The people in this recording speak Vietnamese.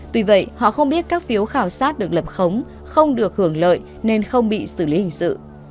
tuy vậy họ không biết các phiếu khảo sát được lập khống không được hưởng lợi nên không bị xử lý hình sự